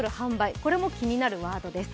これも気になるワードです。